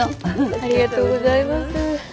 ありがとうございます。